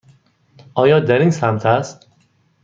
آیا در این سمت است؟